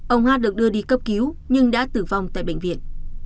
ông hát được đưa đi cấp cứu nhưng đã tử vong tại bệnh viện